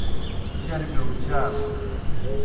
چربِیو گہ چار۔